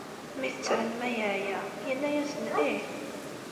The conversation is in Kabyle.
Mi t-ttren ma yeɛya, yenna-asen ih.